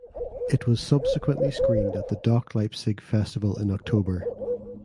It was subsequently screened at the Dok Leipzig festival in October.